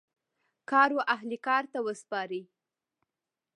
کار و اهل کار ته وسپارئ